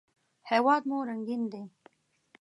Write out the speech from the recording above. هېواد مو رنګین دی